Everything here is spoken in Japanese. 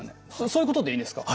そういうことでいいんですか？